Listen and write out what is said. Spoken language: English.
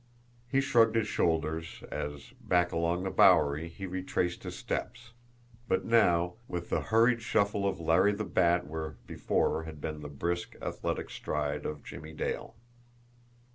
He shrugged his shoulders, as, back along the Bowery, he retraced his steps, but now, with the hurried shuffle of Larry the Bat where before had been the brisk, athletic stride of Jimmie Dale.